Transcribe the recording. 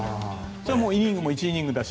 イニングも１イニングだし。